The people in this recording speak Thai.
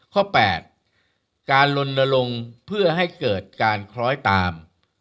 ข้อ๘การลนลงเพื่อให้เกิดการคล้อยตาม